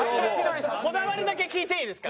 こだわりだけ聞いていいですか？